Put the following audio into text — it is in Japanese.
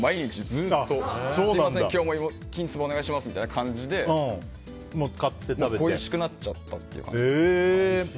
すみません、今日も芋きんつばお願いしますみたいな感じでおいしくなっちゃったっていう感じで。